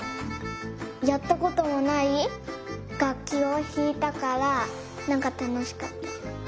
やったこともないがっきをひいたからなんかたのしかった。